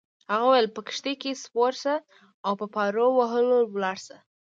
هغه وویل: په کښتۍ کي سپور شه او په پارو وهلو ولاړ شه.